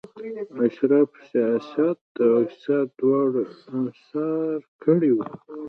اشرافو سیاست او اقتصاد دواړه انحصار کړي وو.